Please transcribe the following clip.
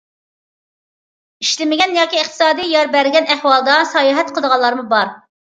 ئىشلىمىگەن ياكى ئىقتىسادى يار بەرگەن ئەھۋالدا ساياھەت قىلىدىغانلارمۇ بار.